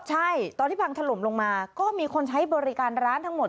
ใช่ตอนที่พังถล่มลงมาก็มีคนใช้บริการร้านทั้งหมด